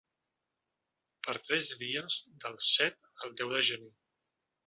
Per tres dies, del set al deu de Gener.